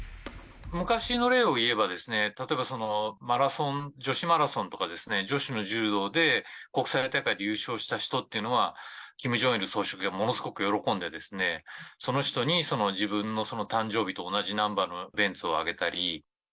昔の例をいえば、例えばマラソン、女子マラソンとかですね、女子の柔道で、国際大会で優勝した人っていうのは、キム・ジョンイル総書記はものすごく喜んでですね、その人に自分の誕生日と同じナンバーのベンツをあげたり。